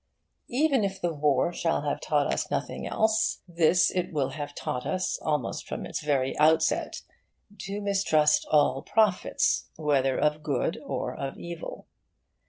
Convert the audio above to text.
Even if the War shall have taught us nothing else, this it will have taught us almost from its very outset: to mistrust all prophets, whether of good or of evil.